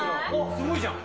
すごいじゃん。